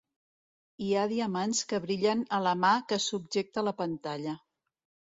Hi ha diamants que brillen a la mà que subjecta la pantalla.